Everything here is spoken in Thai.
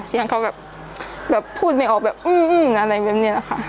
เสียงเขาแบบพูดไม่ออกแบบอื้ออะไรแบบนี้แหละค่ะ